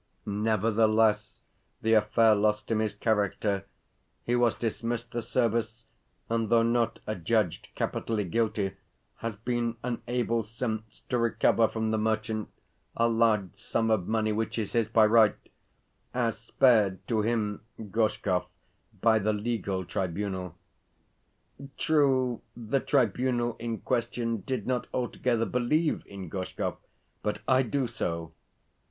Nevertheless the affair lost him his character. He was dismissed the service, and though not adjudged capitally guilty, has been unable since to recover from the merchant a large sum of money which is his by right, as spared to him (Gorshkov) by the legal tribunal. True, the tribunal in question did not altogether believe in Gorshkov, but I do so.